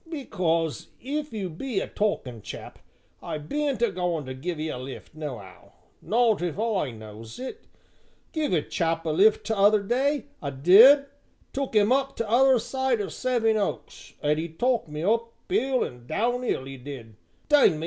"Because, if you be a talkin' chap, I beant a goin' to give 'ee a lift, no'ow not if I knows it; give a chap a lift, t' other day, I did took 'im up t' other side o' Sevenoaks, an' 'e talked me up 'ill an' down 'ill, 'e did dang me!